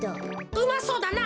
うまそうだな。